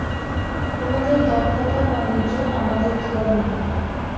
তোমাদের দক্ষতা বাণিজ্যে, আমাদের ধর্মে।